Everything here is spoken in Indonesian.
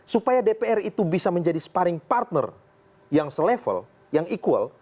supaya dpr itu bisa menjadi sparring partner yang selevel yang equal